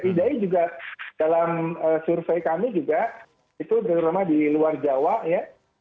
idai juga dalam survei kami juga itu terutama di luar jawa ya